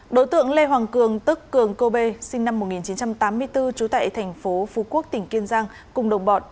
đối tượng lê hoàng cường tức cường cô bê sinh năm một nghìn chín trăm tám mươi bốn trú tại thành phố phú quốc tỉnh kiên giang cùng đồng bọn